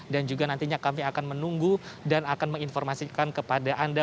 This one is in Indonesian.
dan juga nantinya kami akan menunggu dan akan menginformasikan kepada anda